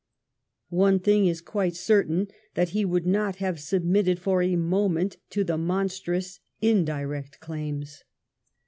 One thing is quite certain, that he would not have submitted for a moment to the monstrous Indirect Claims.